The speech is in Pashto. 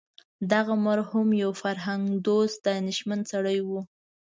دغه مرحوم یو فرهنګ دوست دانشمند سړی و.